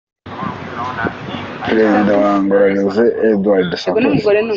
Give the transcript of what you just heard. Perezida wa Angola, Jose Eduardo dos Santos